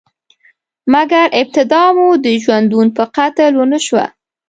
مګر، ابتدا مو د ژوندون په قتل ونشوه؟